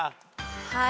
はい。